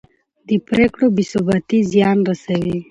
د پرېکړو بې ثباتي زیان رسوي